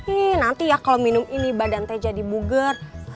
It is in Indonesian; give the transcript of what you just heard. ini nanti ya kalau minum ini badan teh jadi buget